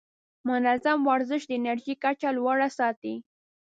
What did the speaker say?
منظم ورزش د انرژۍ کچه لوړه ساتي.